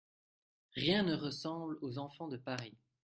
Rien ne ressemble aux enfants de Paris.